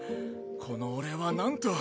このお礼はなんと。